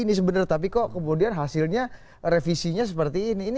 ini sebenarnya tapi kok kemudian hasilnya revisinya seperti ini